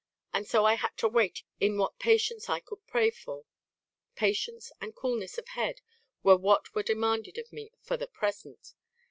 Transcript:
And so I had to wait in what patience I could pray for. Patience and coolness of head were what were demanded of me for the present.